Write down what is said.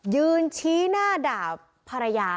ยืนชี้หน้าด่าภรรยา